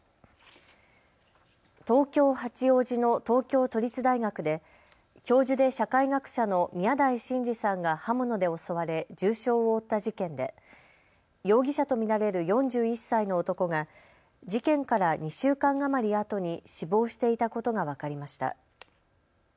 東京八王子の東京都立大学で教授で社会学者の宮台真司さんが刃物で襲われ重傷を負った事件で容疑者と見られる４１歳の男が事件から２週間余りあとに死亡していたことが分かりました。